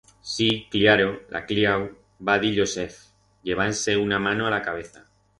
Sí, cllaro, la cllau, va dir Yosef, llevand-se una mano a la cabeza.